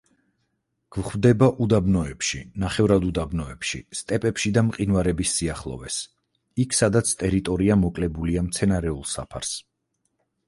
გვხვდება უდაბნოებში, ნახევარუდაბნოებში, სტეპებში და მყინვარების სიახლოვეს, იქ სადაც ტერიტორია მოკლებულია მცენარეულ საფარს.